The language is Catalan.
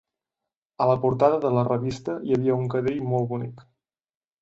A la portada de la revista hi havia un cadell molt bonic.